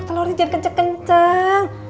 kok telornya jadi kenceng kenceng